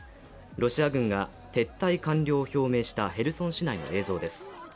ロシア軍が撤退完了を表明したヘルソン市内の映像です